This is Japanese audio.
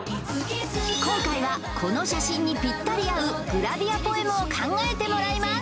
今回はこの写真にぴったり合うグラビアポエムを考えてもらいます